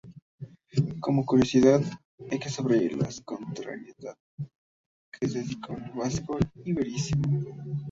Como curiosidad hay que subrayar la contrariedad que se dio con el vasco-iberismo.